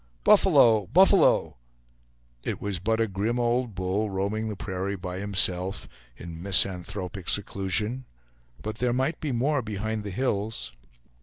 "Buffalo! buffalo!" It was but a grim old bull, roaming the prairie by himself in misanthropic seclusion; but there might be more behind the hills.